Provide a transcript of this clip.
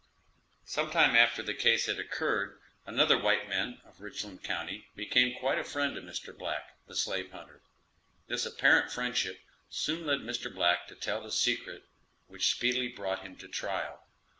Sometime after the case had occurred, another white man of Richland county became quite a friend to Mr. Black, the slave hunter; this apparent friendship soon led Mr. Black to tell the secret, which speedily brought him to trial.